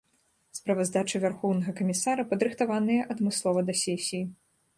Справаздача вярхоўнага камісара падрыхтаваная адмыслова да сесіі.